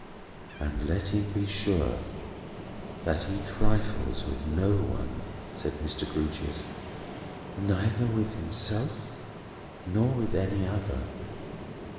"And let him be sure that he trifles with no one," said Mr. Grewgious; "neither with himself, nor with any other."